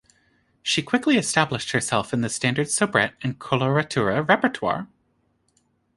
She quickly established herself in the standard soubrette and coloratura repertoire.